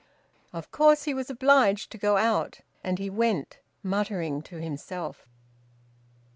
Of course he was obliged to go out; and he went, muttering to himself.